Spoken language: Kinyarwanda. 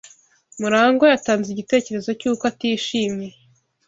Murangwa yatanze igitekerezo cyuko atishimye.